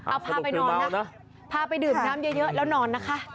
เอาพาไปนอนนะพาไปดื่มน้ำเยอะแล้วนอนนะคะ